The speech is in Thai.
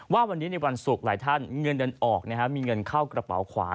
ว่าวันนี้ในวันศุกร์หลายท่านเงินเดือนออกมีเงินเข้ากระเป๋าขวา